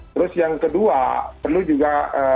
terus yang kedua perlu juga